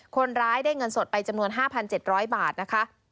คนร้ายได้เงินสดไปจำนวน๕๗๐๐บาทนะคะ